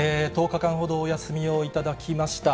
１０日ほど、お休みを頂きました。